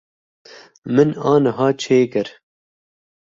Min aniha çêkir.